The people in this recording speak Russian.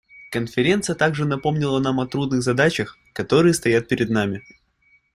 Конференция также напомнила нам о трудных задачах, которые стоят перед нами.